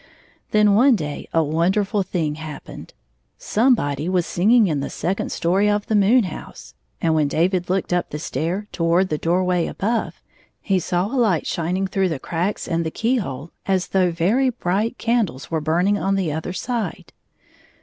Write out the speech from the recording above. Then one day a wonderftil thing happened. Somebody was singing in the second story of the moon house, and when David looked up the stair toward the door way above, he saw a light shining through the cracks and the keyhole as 66 though very bright candles were burning on the other side.